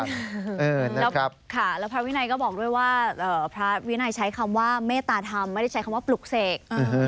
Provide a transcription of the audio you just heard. พระวินัยก็บอกด้วยว่าพระวินัยใช้คำว่าเมตตาธรรมไม่ใช้คำว่าปลุกเสก